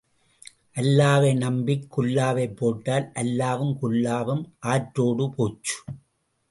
அல்லாவை நம்பிக், குல்லாவைப் போட்டால் அல்லாவும் குல்லாவும் ஆற்றோடே போச்சு.